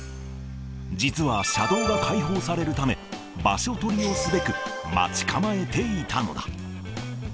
実は車道が開放されるため、場所取りをすべく待ち構えていたのだ。